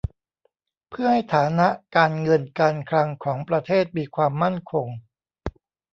เพื่อให้ฐานะการเงินการคลังของประเทศมีความมั่นคง